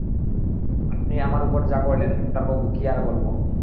আপনি আমার যা উপকার করলেন ডাক্তারবাবু, কী আর বলব।